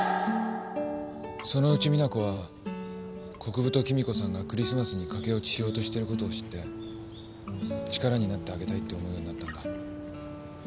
そのうち実那子は国府と貴美子さんがクリスマスに駆け落ちしようとしてることを知って力になってあげたいって思うようになったんだ。